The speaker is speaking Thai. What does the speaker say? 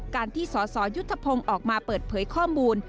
การที่สสยุทธพงศ์ออกมาเปิดเผยข้อมูล